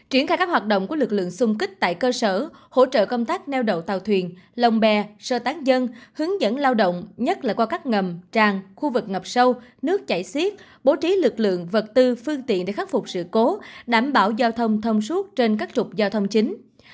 triển khai các hoạt động của lực lượng xung kích tại cơ sở hỗ trợ công tác neo đậu tàu thuyền lồng bè sơ tán dân hướng dẫn lao động nhất là qua các ngầm tràn khu vực ngập sâu nước chảy xiết bố trí lực lượng vật tư phương tiện để khắc phục sự cố đảm bảo giao thông thông suốt trên các trục giao thông chính